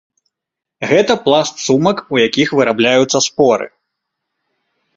Гэта пласт сумак, у якіх вырабляюцца споры.